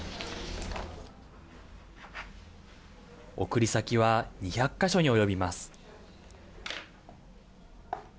送り先は２００か所に及びます。